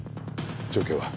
状況は？